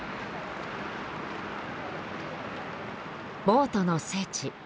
「ボートの聖地」